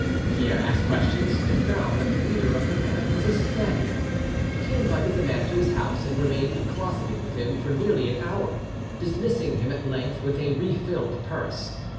Pierre asked questions, and found that the leader of the band was a Spaniard. He invited the man to his own house, and remained closeted with him for nearly an hour, dismissing him at length with a refilled purse.